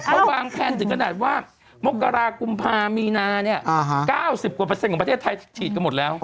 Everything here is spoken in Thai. เขาวางแผนถึงขนาดว่ามกรกุมภามีนา๙๐ของประเทศไทยฉีดกันหมดแล้ว